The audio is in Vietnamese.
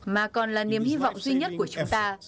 mà còn là niềm hy vọng duy nhất của chúng ta